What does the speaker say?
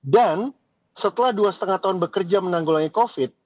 dan setelah dua setengah tahun bekerja menanggulangi covid